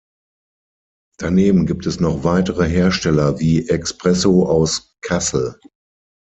Daneben gibt es noch weitere Hersteller wie Expresso aus Kassel.